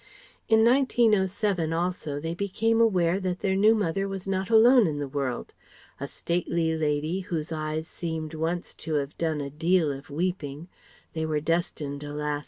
In 1907, also, they became aware that their new mother was not alone in the world. A stately lady whose eyes seemed once to have done a deal of weeping (they were destined alas!